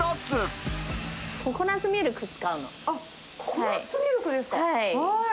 あっ、ココナツミルクですか。